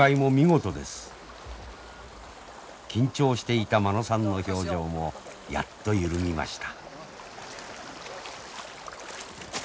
緊張していた間野さんの表情もやっと緩みました。